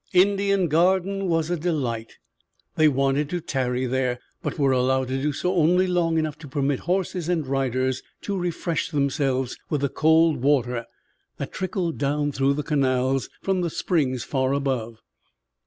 Indian Garden was a delight. They wanted to tarry there, but were allowed to do so only long enough to permit horses and riders to refresh themselves with the cold water that trickled down through the canals from the springs far above.